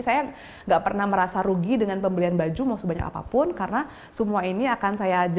saya nggak pernah merasa rugi dengan pembelian baju mau sebanyak apapun karena semua ini akan saya ajak